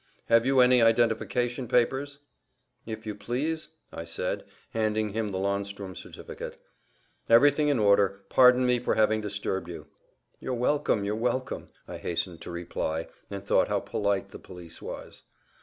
"Have you any identification papers?" "If you please," I said, handing him the landsturm certificate. "Everything in order; pardon me for having disturbed you." "You're welcome; you're welcome," I hastened to reply, and thought how polite the police was.